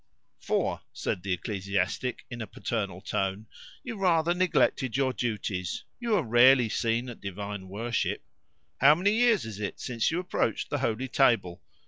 "For," said the ecclesiastic in a paternal tone, "you rather neglected your duties; you were rarely seen at divine worship. How many years is it since you approached the holy table?